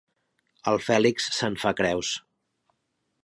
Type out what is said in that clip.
El Fèlix se'n fa creus.